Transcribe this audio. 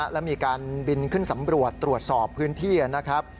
และมีการบินขึ้นสำรวจตรวจสอบพื้นที่นะครับ